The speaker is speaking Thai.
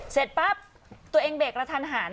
เสร็จปั๊บตัวเองเบรกกระทันหัน